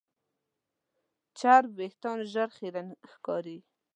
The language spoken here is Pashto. چرب وېښتيان ژر خیرن ښکاري.